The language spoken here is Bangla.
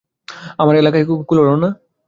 আমার একলায় কুলোল না?